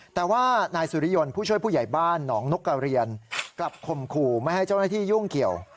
แต่ว่านายสุริยนต์ผู้ช่วยผู้ใหญ่บ้านหนองนกกระเรียนกลับข่มขู่ไม่ให้เจ้าหน้าที่ยุ่งเกี่ยว